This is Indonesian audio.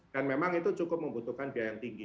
dan memang itu cukup membutuhkan biaya yang tinggi